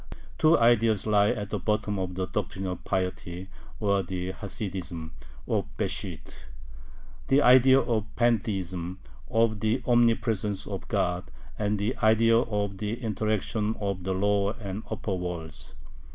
Two ideas lie at the bottom of the "Doctrine of Piety," or the Hasidism, of Besht: the idea of Pantheism, of the Omnipresence of God, and the idea of the interaction of the lower and upper worlds.